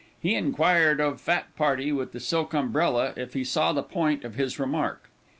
He inquired of fat party with the silk umbrella, if he saw the point of his remark.